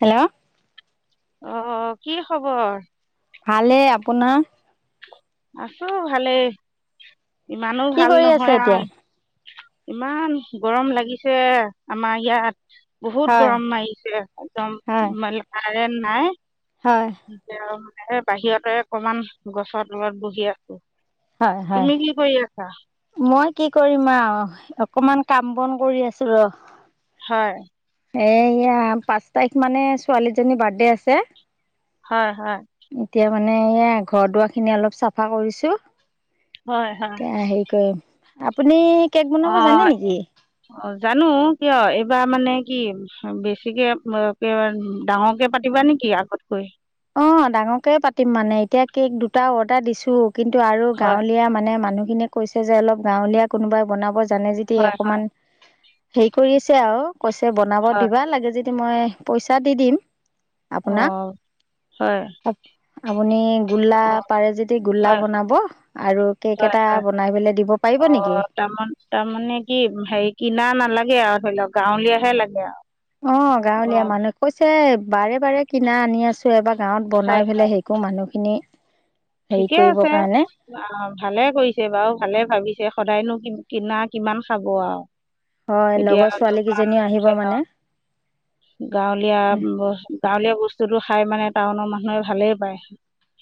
Hello. অ, ' কি খবৰ? ভালে, আপোনাৰ? আছোঁ ভালেই ইমানো কি ভাল কৰি আছে নহয় এতিয়া? আৰু ইমান গৰম লাগিছে আমাৰ ইয়াত বহুত হয়, গৰম মাৰিছে একদম হয়। মানে কাৰেণ্ট নাই হয়, এতিয়া মানে বাহিৰতে অকমান গছৰ তলত বহি আছো। হয়, হয় মই কি কৰিম আৰু? অকমান কাম বন কৰি আছো ৰ হয়। এ এয়া পাঁচ তাৰিখ মানে ছোৱালীজনীৰ বাৰ্থডে আছে। হয়-হয়। এতিয়া মানে এয়া ঘৰ দুৱাৰখিনি অলপ চাফা কৰিছোঁ। হয় হয় এতিয়া হেৰি কৰে আপুনি কেক বনাব অ, জানে নেকি? অ, ' জানো কিয়? এইবাৰ মানে কি বেছিকে ডাঙৰকে পাতিবা নেকি আগতকৈ? অ', ডাঙৰকে পাতিম মানে এতিয়া কেক দুটা অৰ্ডাৰ দিছো। কিন্তু আৰু হয় গাঁৱলীয়া মানে মানুহখিনিয়ে কৈছে যে অলপ গাঁৱলীয়া কোনোবাই বনাব জানে যদি হয় অকমান হেৰি কৰি আছে আৰু কৈছে বনাব হয় দিবা লাগে যদি মই পইচা দি দিম আপোনাক অ', হয়, আপুনি গোল্লা অঁ পাৰে যদি গল্লা হয় বনাব আৰু কেক এটা বনাই পলে দিব পাৰিব নেকি? তাৰ তাৰমানে কি হেৰি কিনা নালাগে আৰু ধৰি লওক গাঁৱলীয়াহে লাগে আৰু অ', গাঁৱলীয়া মানুহ কৈছে বাৰে বাৰে কিনা আনি আছো এবাৰ গাঁৱত হয় বনাই পেলাই সেইকো মানুহখিনি হেৰি ঠিকে কৰিবৰ আছে কাৰণে অ', ভালে কৰিছে বাৰু ভালে ভাবিছে সদায়নো কিনা কিমান খাব আৰু। হয় এতিয়া লগৰ দোকান ছোৱালীকেইজনীও আহিব মানে [unintelligible] গাঁৱলীয়া গাঁৱলীয়া বস্তুটো খাই মানে টাউনৰ মানুহে ভালেই পায়।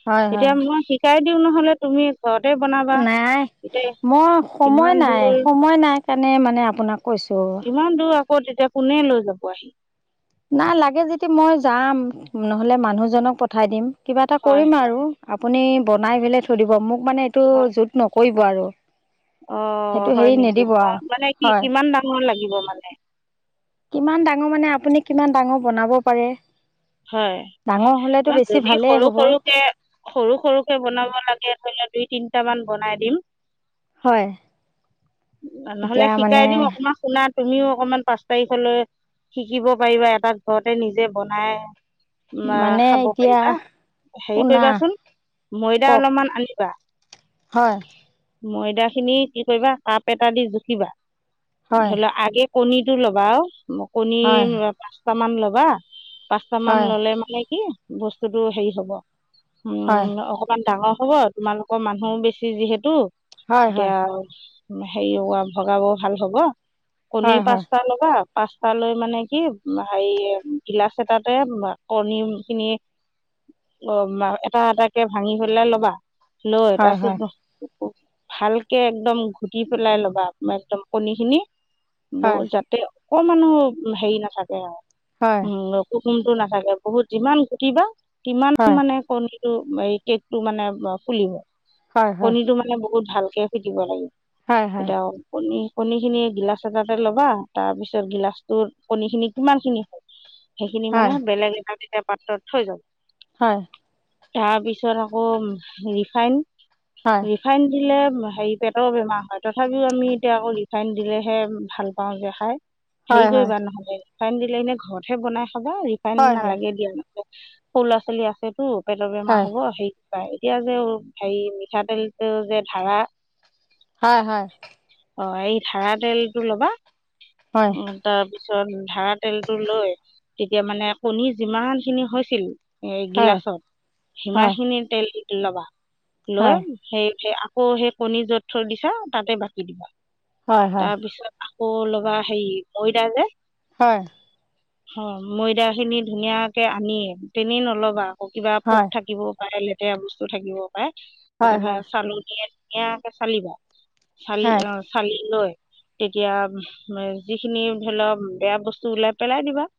হয় হয় এতিয়া মই শিকাই দিওঁ নহলে তুমি ঘৰতে বনাবা। নাই এতিয়া মই সময় ইমান নাই, দূৰ সময় নাই কাৰণে মানে আপোনাক কৈছো। এতিয়া কোনে লৈ যাব আহি? নাই লাগে যেদি মই যাম নহলে মানুহজনক পঠাই দিম। কিবা এটা হয় কৰিম হয় আৰু আপুনি বনাই পেলাই থৈ দিব মোক মানে এইটো হয় যুত নকৰিব আৰু অ', সেইটো হয় হেৰি নেকি নিদিব আৰু মানে কি হয় কিমান ডাঙৰ লাগিব মানে? কিমান ডাঙৰ মানে আপুনি কিমান ডাঙৰ বনাব পাৰে ডাঙৰ হ'লেতো হয়। বেছি যদি ভালেই সৰু হ'ব সৰুকে সৰু সৰুকে বনাব লাগে ধৰি লও দুই তিনটা মান বনাই দিম। হয় নহলে এতিয়া মানে শিকাই দিম অকণমান শুনা তুমিয়ো অকনমান পাঁচ তাৰিখলৈ শিকিব পাৰিবা এটা ঘৰতে নিজে বনাই। বা মানে খাব এতিয়া পাৰিবা হেৰি শুনা কৰিবাচোন ময়দা কওক অলপমান আনিবা হয়, ময়দা খিনি কি কৰিবা তাপ এটা দি জুখিবা হয় ধৰি লওক আগে কণীটো লবা আৰু কণী হয় পাঁচট মান লবা কামান হয় ললে মানে কি বস্তুতটো হেৰি হব হয় উম, অকমান ডাঙৰ হব তোমালোকৰ মানুহ বেছি যিহেতু হয় হয় এতিয়া হেৰি ৱা ভগাব ভাল হব কণী হয় হয় পাঁচটা ল'বা পাঁচতা লৈ মানে কি হেৰি গিলাচ এ তাতে কণী খিনি অ', এটা এটাকে ভাঙি হলে ল'বা। লৈ হয় হয় তাৰপিছত ভালকে একদম ঘুটি পেলাই ল'বা একদম কণী খিনি, ব হয় যাতে অক মানুহ হেৰি নাথাকে হয় আৰু উ কুসুমটো নাথাকে বহুত যিমান গুটিবা কিমান হয় হয় মানে কণী কেক টো মানে ফুলিম হয় কণীটো মানে বহুত ভালকে ফুটিব লাগিব। হয় হয় এতিয়া আৰু কণী কণী খিনি গিলাচ এটাতে ল'বা তাৰ পিছত গিলাচটোৰ কণী খিনি কিমান খিনি হয়। সেইখিনি মানে হয় বেলেগ এটা দুটা পাত্ৰত থৈ যাবা হয়, তাৰপিছত আকৌ ৰিফাইন হয় - ৰিফাইন দিলে হেৰি পেটৰ বেমাৰ হয়, তথাপিও আমি এতিয়া আকৌ ৰিফাইন দিলেহে ভাল পাওঁ যে খাই। হয় হেৰি হয় কৰিবা নহ'লে ৰিফাইন দিলে, এনে ঘৰতহে বনাই খাবা ৰিফাইন হয় নালাগে দিয়া ন সৰু ল'ৰা ছোৱালী আছেতো পেটৰ বেমাৰ হয় হব সেই এতিয়া যে হেৰি মিঠাতেলটো যে ধাৰা হয় হয়। অ' এই ধাৰা তেলটো ল'বা হয় তাৰপিছত ধাৰা তেলতটো লৈ তেতিয়া মানে কণী যিমান খিনি হৈছিল এই হয় গিলাচত হয় সিমাখিনি তেল লবা হয় লৈ সেই আকৌ সেই কণী য'ত চ দিছা তাতে বাকি দিবা, হয় হয় তাৰপিছত আকৌ লগ'বা হেৰি মৈদা যে হয়। অ' ময়দা খিনি ধুনীয়াকে আনিয়ে তেনেই নলব আকৌ কিবা পোক হয় থাকিব পাৰে লেতেৰা বস্তু থাকিব পাৰে হয় হয় হয় সেইকাৰণে হয় চালোনিয়ে ধুনীয়াকে চালিবা চালি অ' চালি লৈ তেতিয়া যিখিনি ধৰি লওক বেয়া বস্তু ওলাই পেলাই দিবা।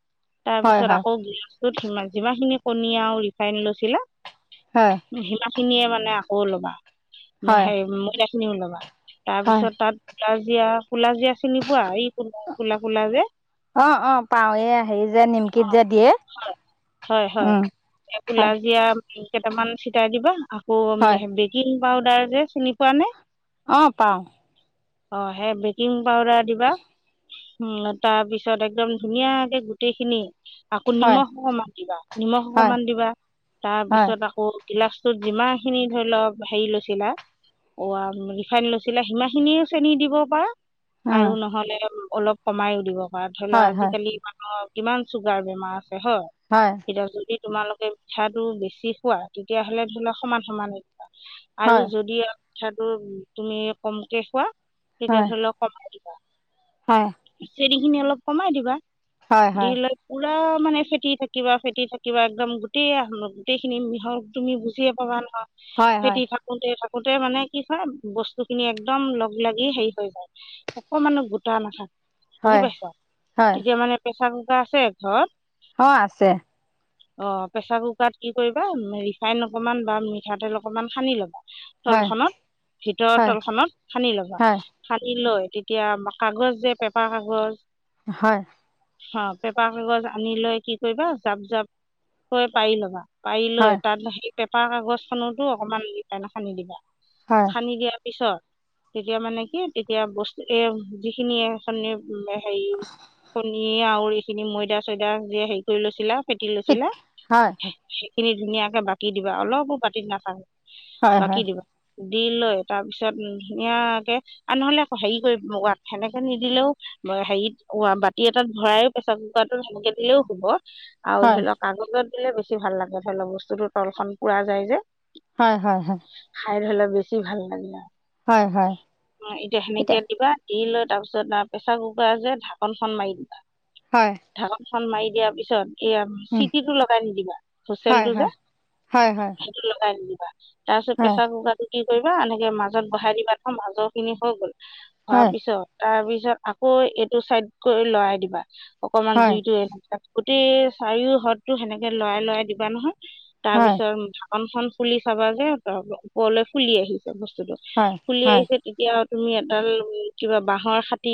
তাৰ হয় পিছত আকৌ গিলাচটোত সি যিমানখিনি কণী আৰু ৰিফাইন লৈছিলা সিমা খিনিয়ে মানে আকৌলবা হয় হয় সেই ময়নাা খিনিও লবা। তাৰ হয় পিছত তাত গাজিয় কলা যেীয়া চিনি পোৱা এই কা কলা কলা যে? অ অ পাওঁ এই হেৰি যে নিমকিত অ' যে দিয়ে হয় হয় উম হয় পুলাজিয়া কেইটামান ছিটাই দিবা, আকৌ হয় বেকিং পাউদাৰ যে চিনি পোৱা নাই? অ' পাও। অ' সেই বেকিং পাউদাৰ দিবা তাৰপিছত একদম ধুনীয়া গোটেইখিনি আকৌ হয় নিমখ অকমান দিবা নিমখ হয় অকমান দিবা হয় তাৰপিছত আকৌ গিলাচটোত যিমান খিনি ধৰি লওক হেৰি লৈছিলা অ' ৰিফাইন লৈচিলা সিমান খিনিয়ে চেনি দিব পাৰা। উম আৰু নহলে অলপ কমাইও দিব পাৰা ধৰি লও হয় হয় আজিকালি অ' কিমান চুগাৰ বেমাৰ আছে হয়, এতিয়া যদি তোমালোকে পিঠাটো বেছি খোৱা তেতিয়াহ'লে ধৰি লও সমান সমান আৰু হয় যদি পিঠাটো তুমি কমকে খোৱা তেতিয় হয় ধৰি লক ক হয়। চেৰি খিনি অলপ কমাই দিবা। হয় দি হয় লৈ পুৰা মানে ফেটি থাকিবা, ফেটি থাকিবা একদম গোটেই আ লগ গোটেইখিনি মিহল তুমি বুজিয়ে পাবা। হয় হয় ফেটি থাকোতে থাক গোটেই মানে কি কয় বস্তু খিনি একদম লগ লাগি হেৰি হৈ যায় অকমানহ গোটা নাথাকে। হয়, হয়। পেচাৰকুকাৰ আছে ঘৰত? অ' আছে। অ' প্ৰেচাৰ কুকাৰত কি কৰিবা ৰিফাইন অকমান বা মিঠাতেল অকমান সানি ল'বা হয় তলখনত ভিতৰৰ হয় তলখত সানি ল'বা হয় সানি লৈ তেতিয়া কাগজ যে পেপাৰ কাগজ হয়। অ পেপাৰ কাগজ আনি লৈ কি কৰিবা জাপ জাপ কৈ পাৰি লবা। পাৰি লৈ। হয় তাত [unintelligible] হেৰি পেপাৰ কাগজখনতো অকমান এনে সানি দিবা। হয় সানি দিয়াৰ পিছত তেতিয়া মানে কি তেতিয়া বস্তু এম যিখিনিয়ে এখনি হেৰি কণী আৰু এইখিনি ময়দা চয়দা যে হেৰি কৰি লৈছিলা ফেটি লৈছিলা হয় খিনি ধুনীয়াকে বাকি দিবা অলপো বাতিত নাথাকে হয় বাকি হয় দিবা। দি লৈ তাৰপিছত ধুনীয়াকে আৰু নহলে আকৌ হেৰি কৰি সেনেকে নিদিলেও বা হেৰিত [unintelligible] ই এটাত ভৰাই প্ৰেচাৰ কুকাৰতোত সেনেকে দিলেও হ'ব, আৰু হয় ধৰি লওক কাগজত দিলে বেছি ভাল লাগে ধৰি লওক বস্তুতো তল খন পুৰা যায় যে। হয়-হয়-হয়। [unintelligible] বেছি ভাল লাগিলে। হয় অহ এতিয়া সেনেকে দিবা দি লৈ তাৰপিছত প্ৰেছাৰ কুকাৰ যে ঢাকনখন মাৰি দিবা। হয় ঢাকন খন মাৰি দিয়াৰ পিছত এয়া উম চিটি টো লগাই নিদিবা, হয় হোচেলটো যে হয় হয় হয় সেইটো লগাই নিদিবা। তাৰপিছত হয় প্ৰেচাৰ কুকাৰতো কি কৰিবা। এনেকে মাজত বহাই দিবা চন মাজৰ খিনি হৈ গ'ল। হয় হোৱাৰ পিছত। তাৰপিছত আকৌ এইটো চাইড কৰি লৰাই দিবা। অকমান হয় জুইতো এনেকা গোটেই চাৰিও হ্ৰদতো সেনেকে লৰাই লৰাই দিবা নহয়। তাৰ হয় পিছত ঢাকন খন ফুলি চাবা যে ওপৰলৈ ফুলি আহিছে। বস্তুতটো ফুলি হয় আহিছে, তেতিয়া তুমি এডাল কিবা বাঁহৰ খাটি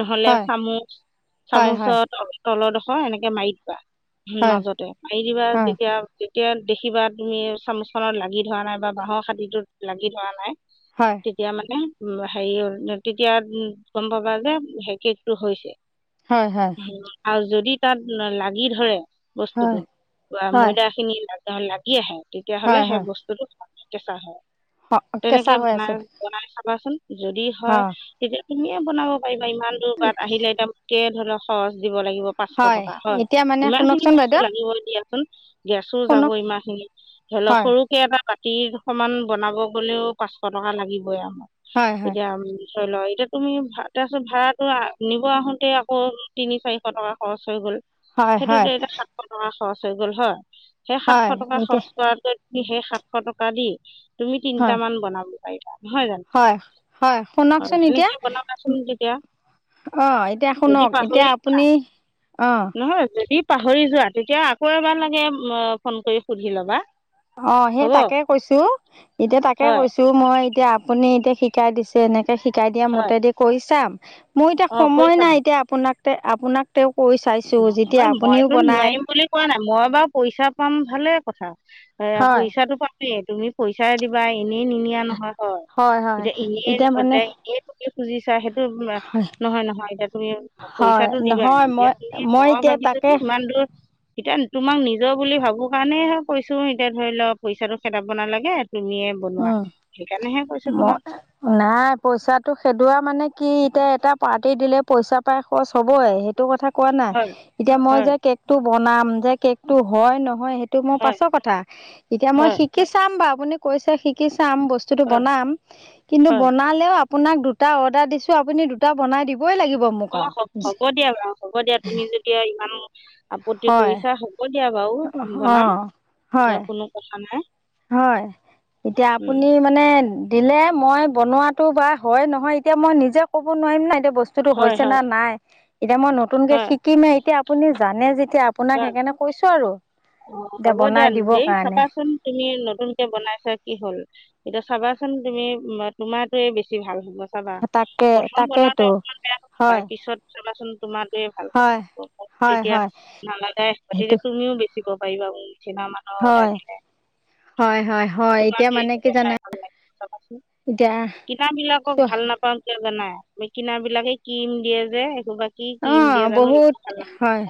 নহলে হয় চামুচ, হয় হয় হয় চামুচৰ তলৰডোখৰ এনেকে মাৰি দিবা। হয় মাজতে মাৰি দিবা যেতিয়া যেতিয়া দেখিবা তুমি চামুচখনত লাগি ধৰা নাই বা বাঁহৰ খাতিটোত লাগি ধৰা নাই তেতিয়া মানে উ হেৰি তেতিয়া গম পাবা যে সে হৈছে। হয় হয়। উম, আৰু যদি তাত লাগি ধৰে বস্তুতো বা হয় ময়দা খিনি লাগ লাগি আহে, হয় তেতিয়াাহ'লে হয় সেই বস্তুতটো কেচা হয়। হয় তেনেকে কেঁচা হৈ বনাই, আছোঁ বনাই চাবাচোন। যদি হয় অঁ তেতিয়া তুমিয়ে বনাব পাৰিবা। ইমান দূৰ বাত আহিলে এতিয়া কে ধৰি [unintelligible] লাগিব পাঁচশ টকা। হয়, এতিয়া মানে ইমান খিনি শুনকচোন বস্তু বাইদেউ লাগিব দিয়াচোন। গেছো যাব শুনক ইমানখিনি, ধৰি লওক হয় সৰুকে এটা বাতিৰ সমান বনাব গলেও পাঁচশ টকা লাগিবই আমাক। হয় হয় এতিয়া এতিয়া তুমি ভাত তাৰপাছত ভাৰাত নিব আহোতে আকৌ তিনি-চাৰিশ টকা খৰচ হৈ গ'ল। হয় হয় সেইটোতে এতি সাতশ টকা খৰচ হৈ গ'ল। হয়, সেই সাতশ হয় টকা এতিয়া খৰচ কৰাত সেই সাতশ টকা দি, তুমি হয় তিনটামান বনাব পাৰিবা। নহয় জানো হয়, হয়। অ, শুনকচোন এতিয়া। সেনেকে বনাবাচোন তেতিয়া আহ এতিয়া যদি শুনক, পাহৰি এতিয়া আপুনি আহ, নহয় যদি পাহৰি যোৱা, তেতিয়া আকৌ এবাৰ লাগে ফোন কৰি সুধি ল'বা। অ সেই হ'ব তাকে কৈছো, এতিয়া তাকে হয় কৈছো মই এতিয়া আপুনি এতিয়া শিকাই দিছে, এনেকৈ শিকাই দিয়া হয় মতেদি কৰি চাম। মোৰ এতিয়া অঁ কৰি সময় চাবা নাই। এতিয়া আপোনাক তে আপোনাক তেওঁক কৰি চাইছো যেতিয়া নহয় আপুনিও মইতো বনাই নোৱাৰিম বুলি কোৱা নাই মই বাৰু পইচা পাম ভালে কথা। এ হয় পইচাটো পাম তুমি পইচা দিবা। এনেই নিনিয়া নহয়। হয়। হয় এতিয়া এনেই এতিয়া মানে নকলে এনেই তুমি খুজিছা, সেইটো নহয়, নহয়, এতিয়া তুমি হয় পইচাটো দিবা আৰু নহয় মই এতিয়া মই এতিয়া ভাবিছো কি তাকে ইমান দূৰ এতিয়া তোমাক নিজৰ বুলি ভাবো কাৰণে হে কৈছো, এতিয়া ধৰি লওঁ পইচাটো খেদাব নালাগে। তুমিয়ে বনোৱা উম, সেইকাৰণেহে কৈছোঁ ম তোমাক নাই পইচাটো খেদোৱা মানে কি এতিয়া। এটা পাৰ্টি দিলে পইচা পাই খৰচ হবই সেইটো কথা কোৱা নাই হয় এতিয়া মই হয় যে কেকটো বনাম যে কেকটো হয়, নহয়, সেইটো মোৰ হয় পাছৰ কথা এতিয়া মই হয় শিকি চাম বাৰু। আপুনি কৈছে শিকি চাম, বস্তুতটো হয় বনাম কিন্তু হয় বনালেও। আপোনাক দুটা অৰ্ডাৰ দিছো, আপুনি দুটা বন দিব অ হ'ব দিয়া বাৰু হ'ব দিয়া তুমি যদি ইমান আপত্তি হয় কৰিছা। হ'ব দিয়া। বাৰু অঁ বনাম। এতিয়া হয় কোনো কথা নাই। হয়। এতিয়া উম, আপুনি মানে দিলে, মই বনোৱাটো বা হয় নহয় এতিয়া মই নিজে ক'ব নোৱাৰিম না। এতিয়া বস্তুতো হয় হৈছে না হয় নাই। এতিয়া মই নতুনকে হয় শিকিমে এতিয়া আপুনি জানে যে এতিয়া আপোনাক হয় সেইকাৰণে কৈছো আৰু, অ এতিয়া হ'ব বনাই দিবৰ কাৰণে। নতুনকে বনাইছা কি হ'ল এয়া চাবাচোন তুমি তোমাৰ য়ে বেছি ভাল হ'ব। চাবা তাকে প্ৰথম বনাওঁতে তাকেতো অকমান বেয়া হ'ব হয় পায় পিছত চাবাচোন তোমাৰ। হেইটোৱে ভাল হয় হ'ব, হয় তেতিয়া হয় নালাগাই সেইটো তেতিয়া তুমিও বেছিব পাৰিবা। কিমান মান অৰ্ডাৰ হয় দিলে। হয়, হয়, হয়, এতিয়া তোমাৰটোৱে মানে দিব কি জানা চাই ভাল লাগিব চাবাচোন দে কিনাবিলাকক ভাল নাপাওঁ কিয় জানাই কিনা বিলাকে এই কিম দিয়ে যে এইসোবা অ' বহুত হয়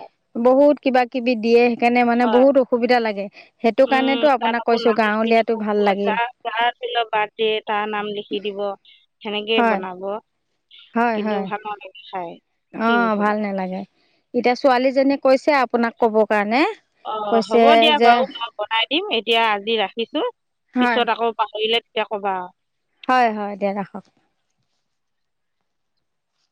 বহুত কিবা কিবি দিয়ে। কেনে মানে হয় বহুত অসুবিধা লাগে। সেইটো উম কাৰণেতো তাত আপোনাক আকৌ কৈছো নাম লিখি দিব গাঁৱলীয়াতো ভাল পোৱা লাগে। যাৰ [unintelligible] বাৰ্থডে তাৰ নাম লিখি দিব সেনেকে হয়, বনাব। হয়, কিন্তু হয়। ভাঙকে নি খাই। অ' ক্ৰীমসোপা ভাল নালাগে, এতিয়া ছোৱালীজনীয়ে কৈছে আপোনাক ক'ব কাৰণে। অ' কৈছে হ'ব দিয়া যে বাৰু মই বনাই দিম, এতিয়া আজি ৰাখিছো। হয়, পিছত আকৌ পাহৰিলে তেতিয়া কবা। হয়, হয় দিয়া ৰাখক।